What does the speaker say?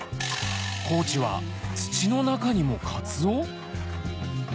高知は土の中にもカツオ？